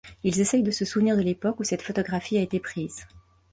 Ils essayent de se souvenir de l'époque où cette photographie a été prise.